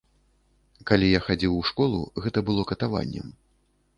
Калі я хадзіў у школу, гэта было катаваннем.